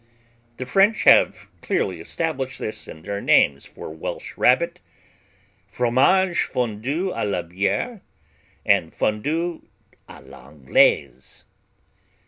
The French have clearly established this in their names for Welsh Rabbit, Fromage Fondue à la Bière and Fondue à l'Anglaise.